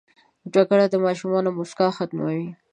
جګړه د ماشومانو موسکا ختموي